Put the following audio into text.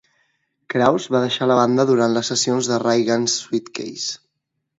Krauss va deixar la banda durant les sessions de "Ray Gun Suitcase".